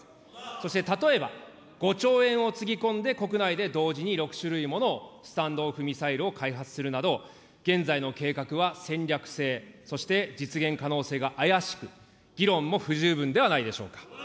そして例えば、５兆円をつぎ込んで、国内で同時に６種類ものスタンド・オフ・ミサイルを開発するなど、現在の計画は、戦略性、そして実現可能性が怪しく議論も不十分ではないでしょうか。